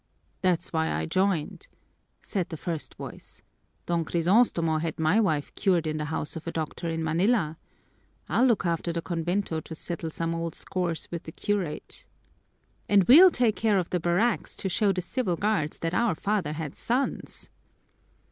"That's why I joined," said the first voice. "Don Crisostomo had my wife cured in the house of a doctor in Manila. I'll look after the convento to settle some old scores with the curate." "And we'll take care of the barracks to show the civil guards that our father had sons."